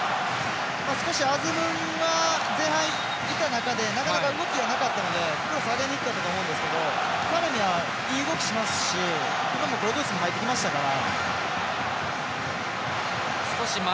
アズムンは前半いた中でなかなか動きがなかったのでクロス上げにくかったと思うんですがタレミは、いい動きしますしゴドゥースも入ってきましたから。